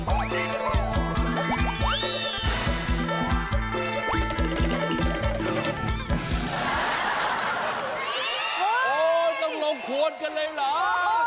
โอ้โหต้องลงโคนกันเลยเหรอ